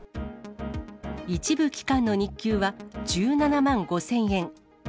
一部期間の日給は、１７万５０００円。